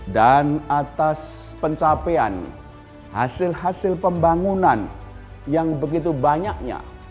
dan atas pencapaian hasil hasil pembangunan yang begitu banyaknya